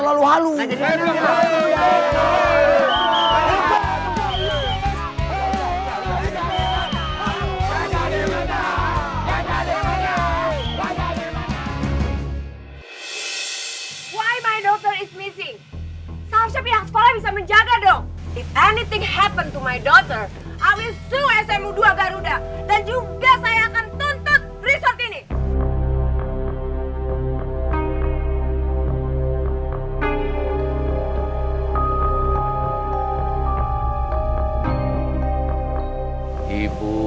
i will sue smu dua garuda dan juga saya akan tuntut resort ini